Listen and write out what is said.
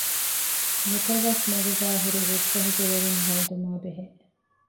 ނިކަގަސްމަގުގައި ހުރި ރުއްގަހުގެ ވެރިން ހޯދުމާބެހޭ